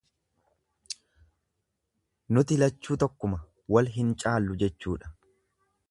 Nuti lachuu tokkuma, wal hin caallu jechuudha.